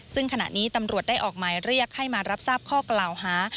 ซึ่งขณะนี้ตำรวจได้ออกหมายเรียกให้มารับทราบข้อกล่าวหา